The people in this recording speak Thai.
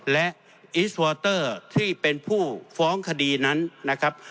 และที่เป็นผู้ฟ้องคดีนั้นนะครับ